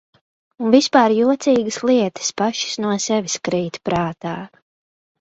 Un vispār jocīgas lietas pašas no sevis krīt prātā.